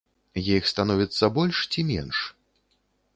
Іх становіцца больш ці менш?